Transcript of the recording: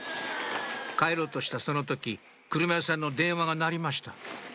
帰ろうとしたその時車屋さんの電話が鳴りました